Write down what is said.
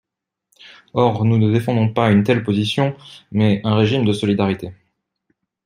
Or nous ne défendons pas une telle position, mais un régime de solidarité.